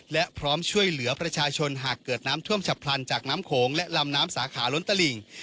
และพร้อมช่วยเหลือประชาชนหากเกิดน้ำท่วมฉับพลันจากน้ำโขงและลำน้ำสาขาล้นตลิ่ง